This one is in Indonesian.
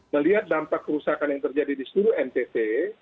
melihat dampak kerusakan yang terjadi di seluruh ntt